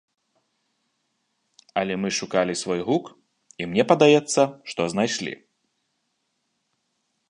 Але мы шукалі свой гук і мне падаецца, што знайшлі.